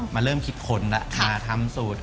มาเริ่มคิดค้นมาทำสูตร